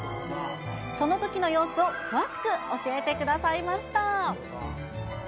そのときの様子を詳しく教えてくださいました。